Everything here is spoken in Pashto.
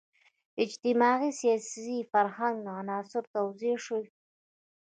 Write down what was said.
اجتماعي، سیاسي، فرهنګي عناصر توضیح شي.